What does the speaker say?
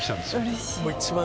うれしい！